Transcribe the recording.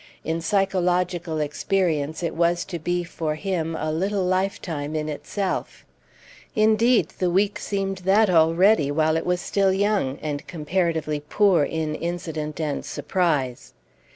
In psychological experience it was to be, for him, a little lifetime in itself; indeed, the week seemed that already, while it was still young, and comparatively poor in incident and surprise.